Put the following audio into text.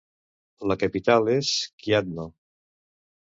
La capital és Kladno.